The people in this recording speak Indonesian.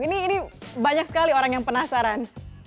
ini banyak sekali orang yang penasaran